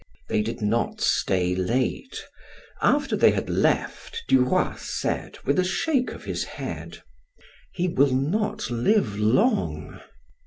They did not stay late; after they had left, Duroy said, with a shake of his head: "He will not live long."